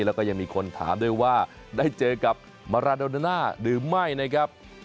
แล้วก็ยังมีคนถามด้วยว่าได้เจอกับมาราโดน่าหรือไม่นะครับ